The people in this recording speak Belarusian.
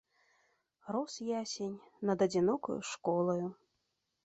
Рос ясень над адзінокаю школаю.